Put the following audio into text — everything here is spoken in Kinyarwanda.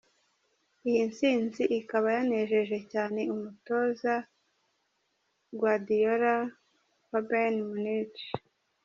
Iyi nsinzi ikaba yanejeje cyane umutoza Guardiola wa Bayern Munich.